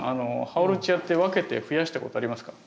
ハオルチアって分けてふやしたことありますか？